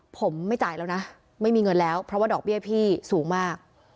ผมไม่จ่ายแล้วนะไม่มีเงินแล้วเพราะว่าดอกเบี้ยพี่สูงมาก